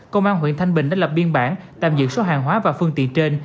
công an huyện thanh bình đã lập biên bản tạm giữ số hàng hóa và phương tiện trên